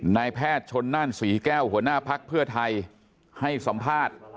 นายแพทย์ชนนั่นศรีแก้วหัวหน้าภักดิ์เพื่อไทยให้สัมภาษณ์